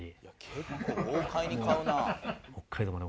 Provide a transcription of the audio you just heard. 結構豪快に買うなあ。